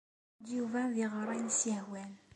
Eǧǧ Yuba ad iɣer ayen i as-yehwan.